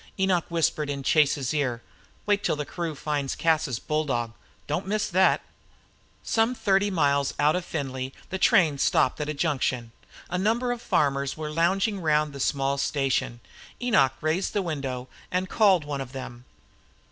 Enoch whispered in Chase's ear, "Wait till the crew finds Cas's bulldog Don't miss thet!" Some thirty miles out of Findlay the train stopped at a junction. A number of farmers were lounging round the small station. Enoch raised the window and called one of them.